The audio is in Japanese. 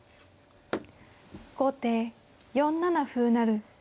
後手４七歩成。